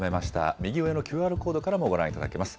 右上のＱＲコードからもご覧いただけます。